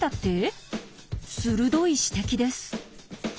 鋭い指摘です。